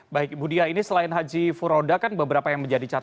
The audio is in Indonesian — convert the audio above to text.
baik budia ini selain haji furoda kan beberapa yang menjadi catatan